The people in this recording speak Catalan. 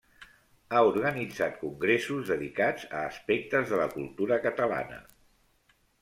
Ha organitzat congressos dedicats a aspectes de la cultura catalana.